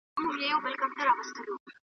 ګیله من یم .